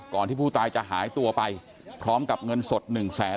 ที่ผู้ตายจะหายตัวไปพร้อมกับเงินสดหนึ่งแสน